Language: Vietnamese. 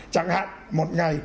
chẳng hạn một ngày